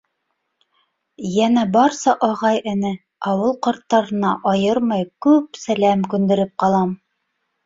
Йәнә барса ағай-эне, ауыл ҡарттарына айырмай күп сәләм күндереп ҡалам.